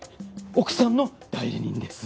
奥さんの代理人です。